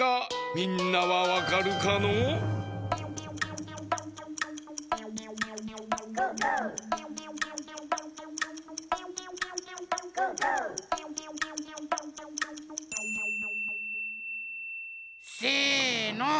みんなはわかるかのう？せの！